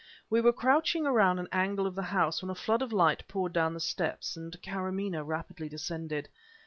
We were crouching around an angle of the house, when a flood of light poured down the steps, and Karamaneh rapidly descended.